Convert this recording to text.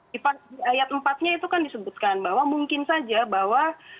di ayat empat nya itu kan disebutkan bahwa mungkin saja bahwa